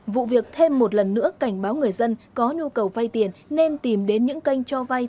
vụ việc thêm một lần nữa cảnh báo người dân có nhu cầu vay tiền nên tìm đến những kênh cho vay